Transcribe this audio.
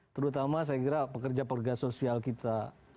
terutama saya kira pekerja perga sosial kita